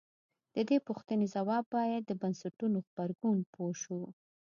د دې پوښتنې ځواب باید د بنسټونو غبرګون پوه شو.